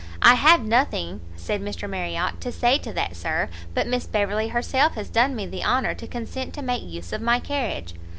"I have nothing," said Mr Marriot, "to say to that, Sir, but Miss Beverley herself has done me the honour to consent to make use of my carriage."